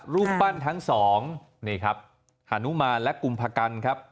รูปปั้นทั้งสองนี่ครับฮานุมานและกุมพกันครับ